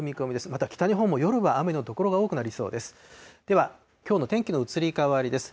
また北日本も夜は雨の所が多くなりそうです。